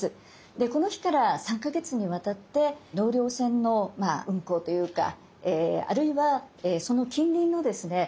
でこの日から３か月にわたって納涼船の運航というかあるいはその近隣のですね